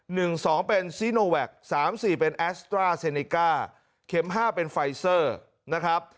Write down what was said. หนึ่งสองเป็นสามสี่เป็นเข็มห้าเป็นนะครับ